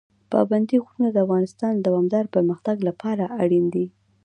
پابندي غرونه د افغانستان د دوامداره پرمختګ لپاره اړین دي.